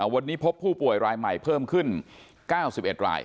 วันนี้พบผู้ป่วยรายใหม่เพิ่มขึ้น๙๑ราย